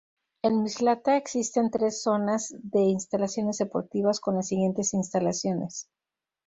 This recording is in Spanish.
En Mislata existen tres zonas de instalaciones deportivas con las siguientes instalaciones.